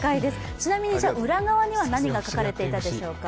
ちなみに、裏側には何が描かれていたでしょうか？